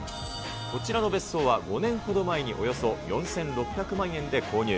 こちらの別荘は５年ほど前におよそ４６００万円で購入。